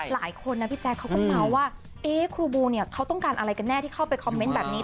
หลายคนนะพี่แจ๊คเขาก็เมาส์ว่าครูบูเนี่ยเขาต้องการอะไรกันแน่ที่เข้าไปคอมเมนต์แบบนี้